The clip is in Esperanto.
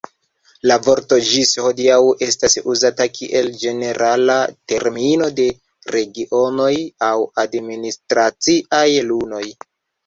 La vorto ĝis hodiaŭ estas uzata kiel ĝenerala termino de regionoj aŭ administraciaj unuoj.